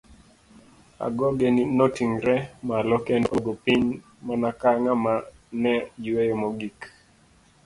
Agoge noting'ore malo kendo oduogo piny mana ka ng'ama ne yueyo mogik.